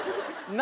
何？